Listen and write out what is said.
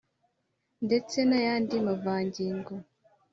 Ndetse na yandi mavangingo